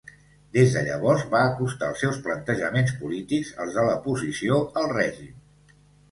Des de llavors va acostar els seus plantejaments polítics als de l'oposició al règim.